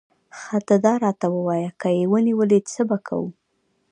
ښه ته داراته ووایه، که یې ونیولې، څه به کوو؟